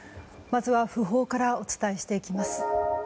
まずは訃報からお伝えしていきます。